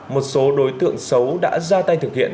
một số đối tượng xấu đã ra tay thực hiện